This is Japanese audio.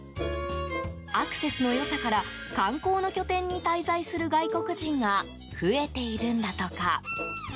アクセスの良さから観光の拠点に滞在する外国人が増えているんだとか。